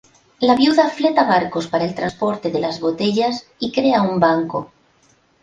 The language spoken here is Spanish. La viuda fleta barcos para el transporte de las botellas y crea un banco.